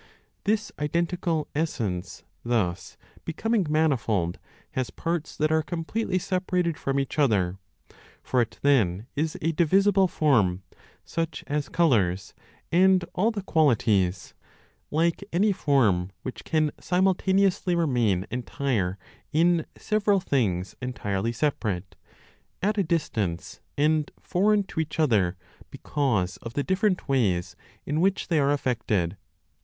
This identical (essence), thus becoming manifold, has parts that are completely separated from each other; for it then is a divisible form, such as colors, and all the qualities, like any form which can simultaneously remain entire in several things entirely separate, at a distance, and foreign to each other because of the different ways in which they are affected.